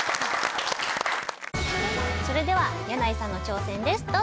それでは箭内さんの挑戦です。